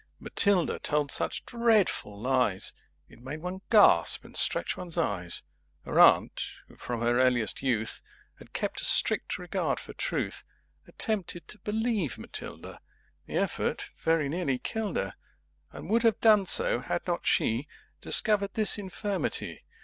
Matilda told such Dreadful Lies, It made one Gasp and Stretch one's Eyes; Her Aunt, who, from her Earliest Youth, Had kept a Strict Regard for Truth, [Pg 22] Attempted to Believe Matilda: The effort very nearly killed her, And would have done so, had not She Discovered this Infirmity.